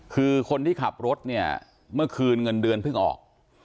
คือคนที่ขับรถเนี่ยเมื่อคืนเงินเดือนเพิ่งออก